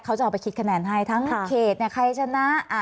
เขาจะเอาไปคิดคะแนนให้ทั้งเขตใครชนะ